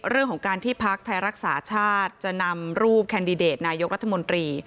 เรื่องของการที่พักไทยรักษาชาติจะนำรูปแคนดิเดตนายกรัฐมนตรี